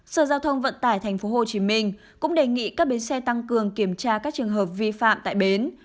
sở giao thông vận tải tp hcm cũng đề nghị các bến xe tăng cường kiểm tra các trường hợp vi phạm tại bến